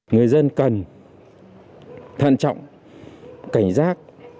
người dân cần thân trọng cảnh giác